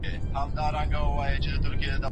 که ماښام ورزش وکړې، نو خوب به دې بهتره شي.